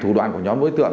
thủ đoạn của nhóm đối tượng